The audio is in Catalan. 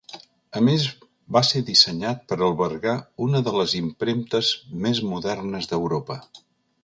A més va ser dissenyat per albergar una de les impremtes més modernes d'Europa.